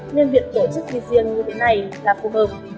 nên việc tổ chức thi riêng như thế này là phù hợp